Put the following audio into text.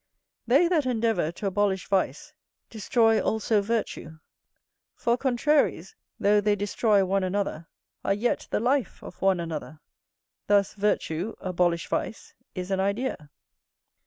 They that endeavour to abolish vice destroy also virtue; for contraries, though they destroy one another, are yet the life of one another. Thus virtue (abolish vice) is an idea.